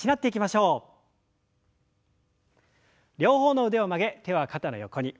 両方の腕を曲げ手は肩の横に。